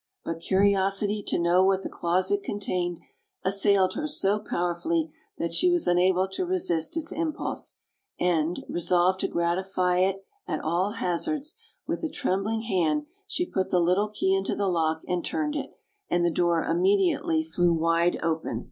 But curiosity to know what the closet contained assailed her so powerfully that she was unable to resist its impulse, and, resolved to gratify it at all hazards, with a trembling hand she put the little key into the lock and turned it, and the door immediately flew wide open.